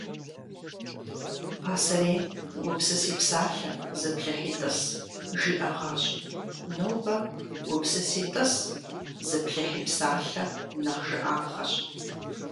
Пасэрейм «гупсыси псалъэ, зыплъыхьи тӏыс» жиӏэгъащ. Нобэ «гупсыси тӏыс, зыплъыхьи псалъэ» нэхъ жыӏапхъэщ.